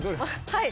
はい。